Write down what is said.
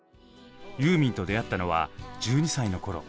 ユーミンと出会ったのは１２歳の頃。